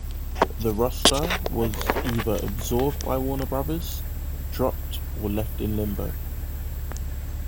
The roster was either absorbed by Warner Brothers, dropped, or left in limbo.